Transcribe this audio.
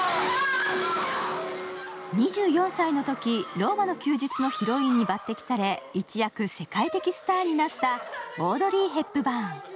２４歳のとき、「ローマの休日」のヒロインに抜てきされ、一躍世界的スターになったオードリー・ヘップバーン。